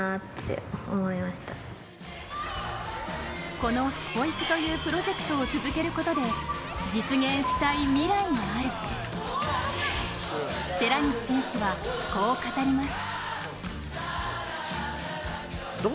このスポ育というプロジェクトを続けることで実現したい未来がある寺西選手は、こう語ります。